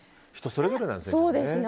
それぞれなんですね。